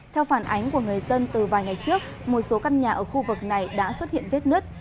theo phản ánh của người dân từ vài ngày trước một số căn nhà ở khu vực này đã xuất hiện vết nứt